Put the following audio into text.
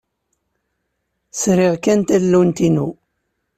Sriɣ kan tallunt-inu.